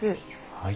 はい。